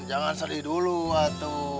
jangan sedih dulu pak